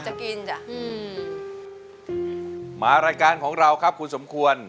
จะกินจ้ะอืมมารายการของเราครับคุณสมควร